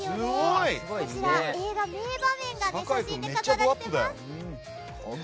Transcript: こちら、映画の名場面が写真で飾られています。